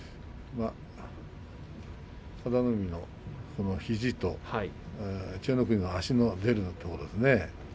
佐田の海の肘と千代の国の足の足の出るところですね。